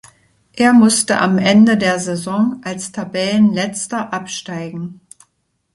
Er musste am Ende der Saison als Tabellenletzter absteigen.